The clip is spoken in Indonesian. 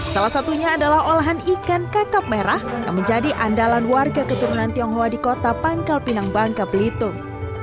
salah satunya adalah olahan ikan kakap merah yang menjadi andalan warga keturunan tionghoa di kota pangkal pinang bangka belitung